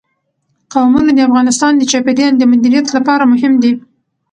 قومونه د افغانستان د چاپیریال د مدیریت لپاره مهم دي.